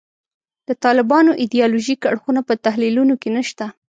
د طالبانو ایدیالوژیک اړخونه په تحلیلونو کې نشته.